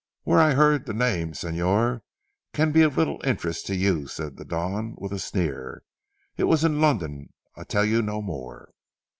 "Where I heard the name Señor, can be of little interest to you," said the Don with a sneer. "It was in London. I tell you no more."